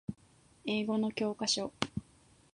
英語の教科書